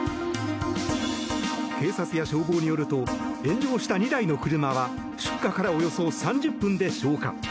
警察や消防によると炎上した２台の車は出火からおよそ３０分で消火。